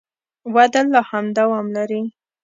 وده لا هم دوام لري.